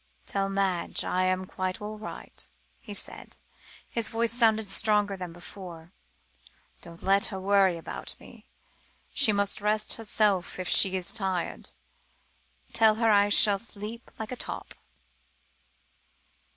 "Tell Madge I am quite all right," he said, his voice sounding stronger than before; "don't let her worry about me. She must rest herself if she is tired. Tell her I shall sleep like a top!"